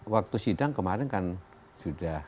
waktu sidang kemarin kan sudah